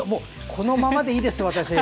このままでいいです、私。